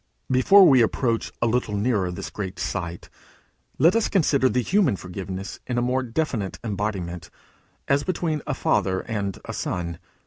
Before we approach a little nearer to this great sight, let us consider the human forgiveness in a more definite embodiment as between a father and a son.